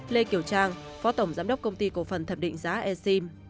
lê kiều trang phó tổng giám đốc công ty cổ phần thẩm định giá e sim